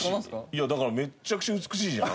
いやだからめっちゃくちゃ美しいじゃん。